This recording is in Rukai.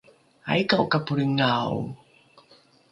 aika’o ka polringao?